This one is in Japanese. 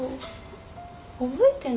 覚えてんのかな？